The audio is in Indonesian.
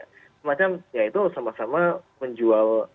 produsen umkm lokal ini mempunyai beberapa channel untuk menjual barang lokal